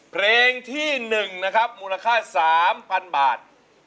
เพลงที่๑นะครับมูลค่า๓๐๐๐บาท